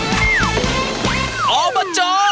ภาษาโลก